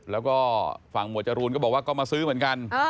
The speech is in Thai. แล้วก็ฝั่งหมวดจรูนก็บอกว่าก็มาซื้อเหมือนกัน